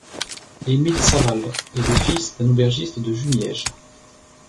Émile Savalle est le fils d'un aubergiste de Jumièges.